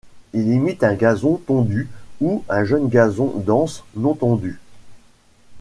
Ils imitent un gazon tondu, ou un jeune gazon dense non tondu.